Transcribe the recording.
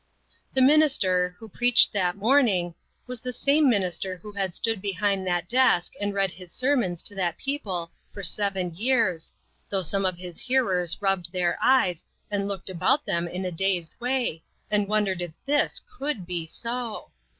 The minister, who preached that ^morning, was the same minister who had stood behind COMFORTED. 295 that desk and read his sermons to that peo pie for seven years, though some of his hearers rubbed their eyes, and looked about them in a dazed way, and wondered if this could be so.